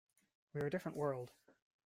We're a different world.